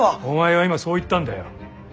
お前は今そう言ったんだよ。